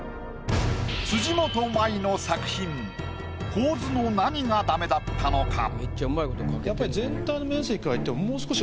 辻元舞の作品構図の何がダメだったのか？